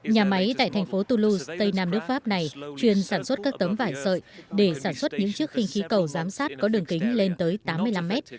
nhà máy tại thành phố touz tây nam nước pháp này chuyên sản xuất các tấm vải sợi để sản xuất những chiếc khinh khí cầu giám sát có đường kính lên tới tám mươi năm mét